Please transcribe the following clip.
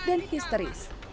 panik dan histeris